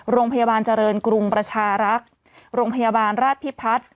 โรงพยาบาลเจริญกรุงประชารักษ์โรงพยาบาลราชพิพัฒน์